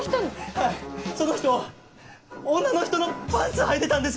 はいその人女の人のパンツはいてたんです！